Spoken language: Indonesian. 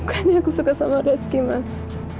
bukannya aku suka sama rezeki mas